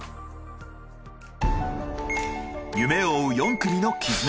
夢を追う４組のキズナ。